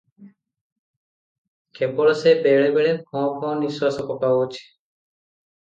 କେବଳ ସେ ବେଳେବେଳେ ଫଁ ଫଁ ନିଃଶ୍ୱାସ ପକାଉଅଛି ।